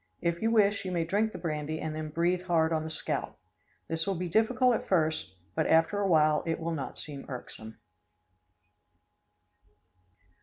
If you wish, you may drink the brandy and then breathe hard on the scalp. This will be difficult at first but after awhile it will not seem irksome.